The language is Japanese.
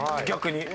逆に。